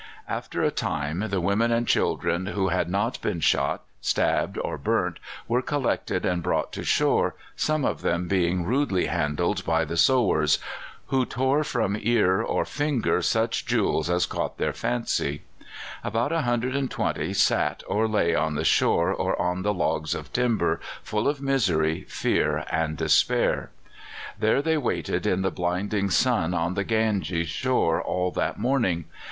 After a time the women and children who had not been shot, stabbed, or burnt were collected and brought to shore, some of them being rudely handled by the sowars, who tore from ear or finger such jewels as caught their fancy. About 120 sat or lay on the shore or on logs of timber, full of misery, fear, and despair. There they waited in the blinding sun on the Ganges shore all that morning.